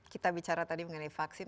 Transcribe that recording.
kita bicara tadi mengenai vaksin